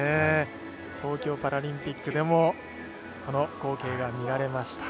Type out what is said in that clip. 東京パラリンピックでもこの光景が見られました。